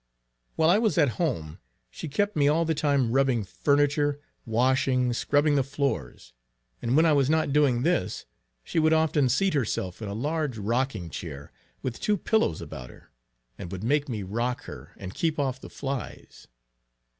While I was at home she kept me all the time rubbing furniture, washing, scrubbing the floors; and when I was not doing this, she would often seat herself in a large rocking chair, with two pillows about her, and would make me rock her, and keep off the flies.